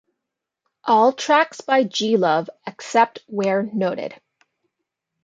All tracks by G. Love except where noted.